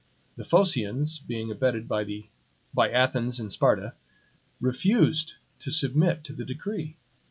The Phocians, being abetted by Athens and Sparta, refused to submit to the decree.